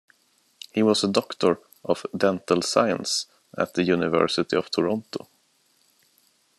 He was a doctor of dental science at the University of Toronto.